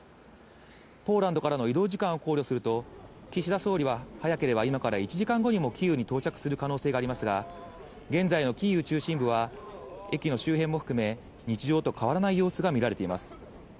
ポーランドからの移動時間を考慮すると、岸田総理は早ければ今から１時間後にもキーウに到着する可能性がありますが、現在のキーウ中心部は、駅の周辺も含め、日常と変わらない様子が見られています。